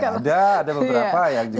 ada ada beberapa yang juga